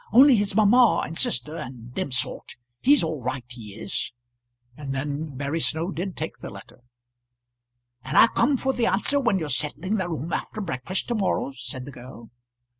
Only his mamma and sister, and them sort. He's all right he is." And then Mary Snow did take the letter. "And I'll come for the answer when you're settling the room after breakfast to morrow?" said the girl.